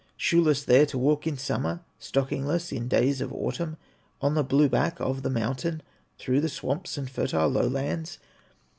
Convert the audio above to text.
Shoeless there to walk in summer, Stockingless in days of autumn, On the blue back of the mountain, Through the swamps and fertile lowlands.